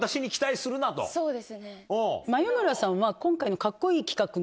そうですね。